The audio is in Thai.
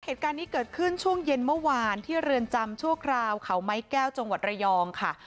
เหตุการณ์นี้เกิดขึ้นช่วงเย็นเมื่อวานที่เรือนจำชั่วคราวเขาไม้แก้วจังหวัดระยองค่ะ